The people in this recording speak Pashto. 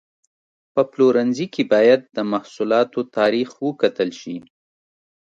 په پلورنځي کې باید د محصولاتو تاریخ وکتل شي.